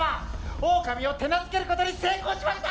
オオカミを手なずけることに成功しました！